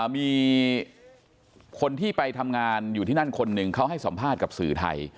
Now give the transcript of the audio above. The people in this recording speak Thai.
มีคนที่ไปทำงานอยู่ที่นั่นคนหนึ่งเขาให้สัมภาษณ์กับสื่อไทย